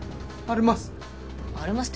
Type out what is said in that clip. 「あるます」